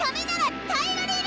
耐えられる。